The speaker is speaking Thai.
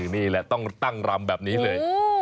นี่แหละต้องตั้งรำแบบนี้เลย